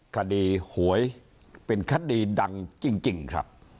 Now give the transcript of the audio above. คดีหวยเป็นคดีดังจริงครับ